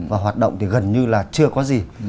và hoạt động thì gần như là chưa có gì